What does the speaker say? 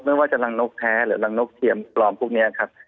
ไม่ว่าจะรังนกแท้หรือรังนกเทียมปลอมพวกนี้ครับ